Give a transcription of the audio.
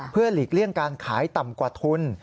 เพื่อหลีกเลี่ยงการขายต่ำกว่าทุน